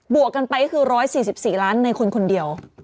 วกกันไปก็คือ๑๔๔ล้านในคนคนเดียว